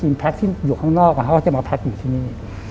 แพ็คที่อยู่ข้างนอกเขาก็จะมาแพ็คอยู่ที่นี่